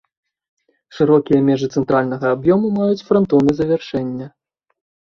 Шырокія межы цэнтральнага аб'ёму маюць франтоны завяршэння.